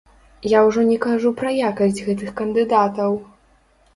Я ўжо не кажу пра якасць гэтых кандыдатаў.